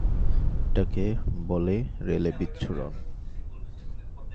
এটাকে বলে রেলে বিচ্ছুরণ।